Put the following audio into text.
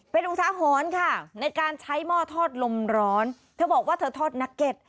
เป็นอุทาหรณ์ค่ะในการใช้หม้อทอดลมร้อนเธอบอกว่าเธอทอดนักเก็ต